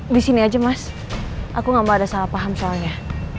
disini aja mas aku gak mau ada salah paham soalnya